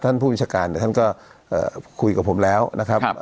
ท่านผู้วิชาการท่านก็คุยกับผมแล้วนะครับ